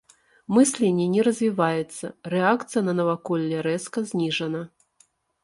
Мысленне не развіваецца, рэакцыя на наваколле рэзка зніжана.